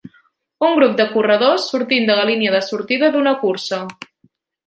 Un grup de corredors sortint de la línia de sortida d'una cursa.